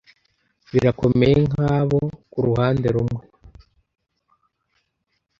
birakomeye nkabo kuruhande rumwe